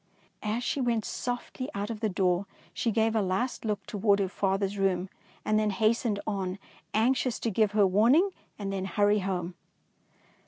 As she went softly out of the door, she gave a last look toward her father's room and then hastened on, anxious to give her warning and then hurry home.